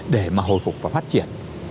để mà hồi phục và phát triển